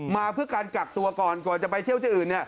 มาเพื่อการกักตัวก่อนก่อนจะไปเที่ยวที่อื่น